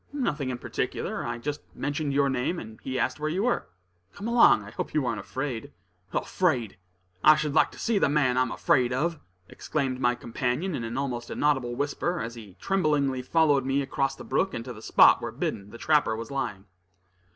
"Nothing in particular. I just mentioned your name, and he asked where you were. Come along; I hope you ain't afraid?" "Afraid! I should like to see the man I'm afraid of!" exclaimed my companion in an almost inaudible whisper, as he tremblingly followed me across the brook, and to the spot where Biddon, the trapper, was lying.